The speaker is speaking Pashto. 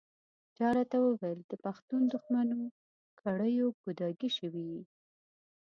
چا راته ویل د پښتون دښمنو کړیو ګوډاګی شوی یې.